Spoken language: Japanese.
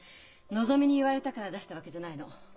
のぞみに言われたから出したわけじゃないの。